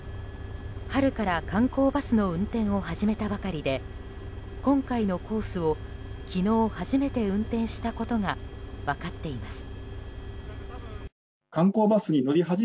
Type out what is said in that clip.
春から観光バスの運転を始めたばかりで今回のコースを昨日初めて運転したことが分かっています。